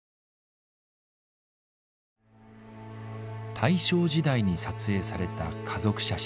大正時代に撮影された家族写真。